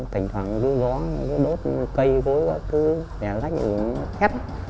bán bốn triệu này anh